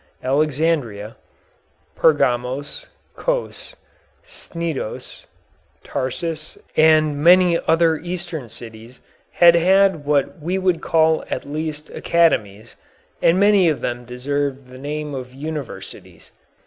Alexandria, Pergamos, Cos, Cnidos, Tarsus, and many other Eastern cities had had what we would call at least academies, and many of them deserved the name of universities.